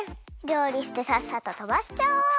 りょうりしてさっさととばしちゃお！